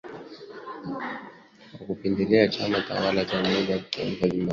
Kwa kukipendelea chama tawala cha Umoja wa kitaifa wa Zimbabwe.